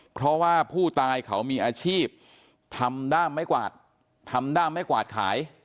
เพราะว่าผู้ตายเขามีอาชีพทำด้ามไม้กวาดทำด้ามไม้กวาดขาย